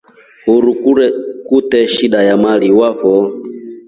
Uruu kute shida ya maliwa fo.